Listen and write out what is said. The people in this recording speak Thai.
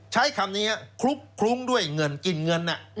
ใช้คำนี้คลุกคลุ้งด้วยเงินกินเงิน